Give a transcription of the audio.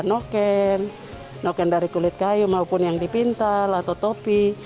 noken noken dari kulit kayu maupun yang dipintal atau topi